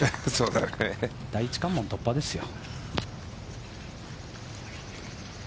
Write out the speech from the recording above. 第１関門突破ですよ。